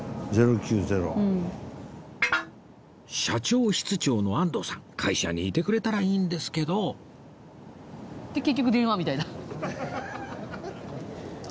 社長室長の安藤さん会社にいてくれたらいいんですけどで結局電話みたいな？